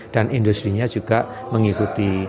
dan industri nya juga mengikuti